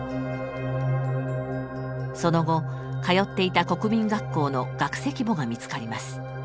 その後通っていた国民学校の学籍簿が見つかります。